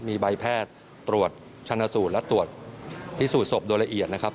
มีใบแพทย์ตรวจชนะสูตรและตรวจพิสูจน์ศพโดยละเอียดนะครับ